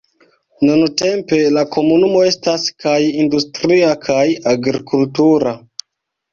Nuntempe, la komunumo estas kaj industria kaj agrikultura.